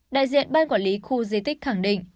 đại diện ban quản lý khu di tích khẳng định